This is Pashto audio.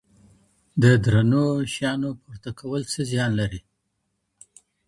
د درنو شیانو پورته کول څه زیان لري؟